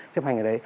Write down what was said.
chấp hành ở đấy